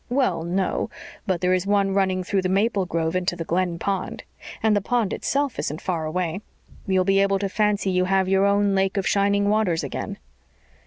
"Well, no, but there is one running through the maple grove into the Glen pond. And the pond itself isn't far away. You'll be able to fancy you have your own Lake of Shining Waters again."